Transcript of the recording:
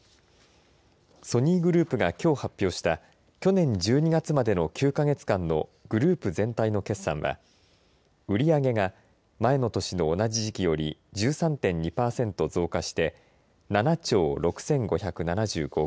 ソニーグループがきょう発表した去年１２月までの９か月間のグループ全体の決算は売り上げが前の年の同じ時期より１３．２パーセント増加して７兆６５７５億円。